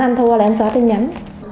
anh thua là em xóa tin nhắn